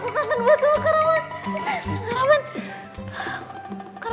ya ampun aku kangen banget sama karawan